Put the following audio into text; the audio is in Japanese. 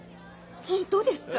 本当ですか！